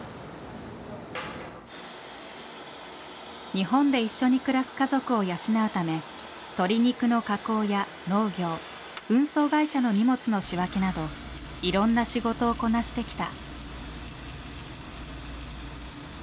日本で一緒に暮らす家族を養うため鶏肉の加工や農業運送会社の荷物の仕分けなどいろんな仕事をこなしてきた。